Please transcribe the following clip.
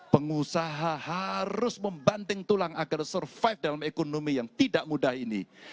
pengusaha harus membanting tulang agar survive dalam ekonomi yang tidak mudah ini